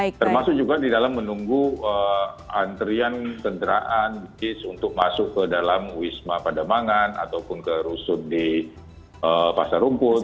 termasuk juga di dalam menunggu antrean tenteraan untuk masuk ke dalam wisma padamangan ataupun ke rusun di pasar rumput